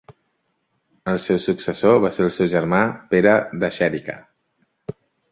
El seu successor va ser el seu germà Pere de Xèrica.